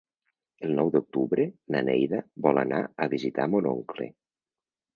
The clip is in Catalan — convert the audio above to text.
El nou d'octubre na Neida vol anar a visitar mon oncle.